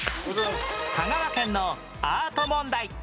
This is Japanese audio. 香川県のアート問題